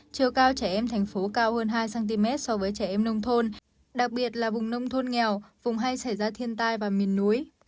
chiều cao trẻ em thành phố cao hơn hai cm so với trẻ em nông thôn đặc biệt là vùng nông thôn nghèo vùng hay xảy ra thiên tai và miền núi